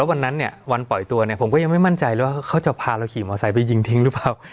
วันนั้นเนี่ยวันปล่อยตัวเนี่ยผมก็ยังไม่มั่นใจเลยว่าเขาจะพาเราขี่มอไซค์ไปยิงทิ้งหรือเปล่า